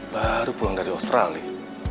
baru pulang dari australia